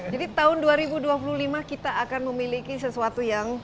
jadi tahun dua ribu dua puluh lima kita akan memiliki sesuatu yang